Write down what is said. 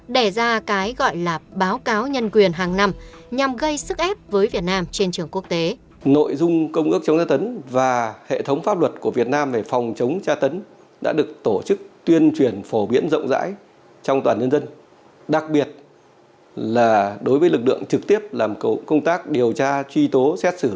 đẻ ra cái gọi là báo cáo nhân quyền hàng năm nhằm gây sức ép với việt nam trên trường quốc tế